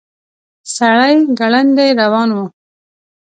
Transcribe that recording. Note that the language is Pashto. سړی ګړندي روان و.